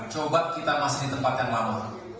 coba kita masih di tempat yang lama